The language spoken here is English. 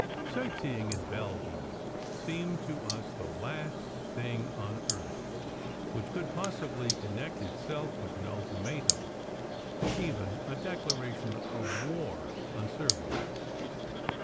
Sight seeing in Belgium seemed to us the last thing on earth which could possibly connect itself with an ultimatum, or even a decla ration of war on Servia.